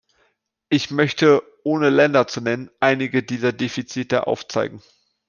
Ich möchte, ohne Länder zu nennen, einige dieser Defizite aufzeigen.